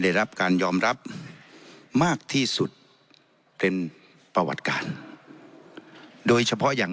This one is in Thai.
ได้รับการยอมรับมากที่สุดเป็นประวัติการโดยเฉพาะอย่าง